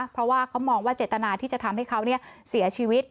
เพราะว่าเขามองว่าเจตนาที่จะทำให้เขาเสียชีวิต